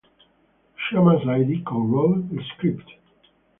Shama Zaidi co-wrote the script.